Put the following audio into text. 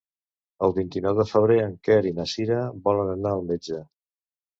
El vint-i-nou de febrer en Quer i na Cira volen anar al metge.